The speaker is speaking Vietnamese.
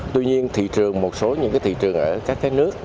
tuy nhiên một số thị trường ở các nước